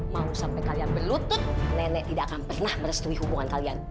mau sampai kalian berlutut nenek tidak akan pernah merestui hubungan kalian